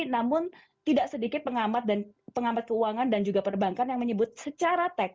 namun tidak sedikit pengamat keuangan dan juga perbankan yang menyebut secara teks